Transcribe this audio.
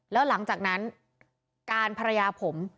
แล้วหลังจากนั้นการภรรยาผม